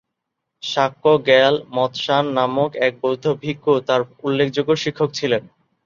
শাক্য র্গ্যাল-ম্ত্শান নামক এক বৌদ্ধ ভিক্ষু তার উল্লেখযোগ্য শিক্ষক ছিলেন।